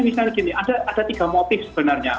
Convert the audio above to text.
jadi misalnya gini ada tiga motif sebenarnya